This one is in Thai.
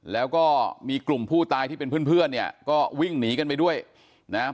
แล้วก็มีกลุ่มผู้ตายที่เป็นเพื่อนเพื่อนเนี่ยก็วิ่งหนีกันไปด้วยนะฮะ